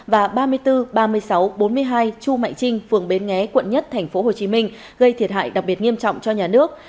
và ba mươi bốn ba mươi sáu bốn mươi hai chu mạnh trinh phường bến nghé quận một tp hcm gây thiệt hại đặc biệt nghiêm trọng cho nhà nước